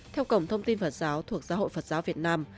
theo cổng thông tin phật giáo thuộc giáo hội phật giáo việt nam